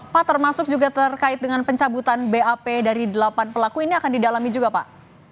pak termasuk juga terkait dengan pencabutan bap dari delapan pelaku ini akan didalami juga pak